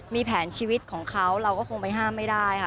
มีแผนชีวิตของเขาเราก็คงไปห้ามไม่ได้ค่ะ